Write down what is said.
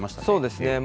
そうですね。